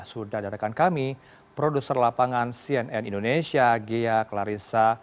sudah ada rekan kami produser lapangan cnn indonesia ghea klarissa